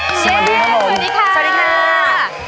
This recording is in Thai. สวัสดีค่ะ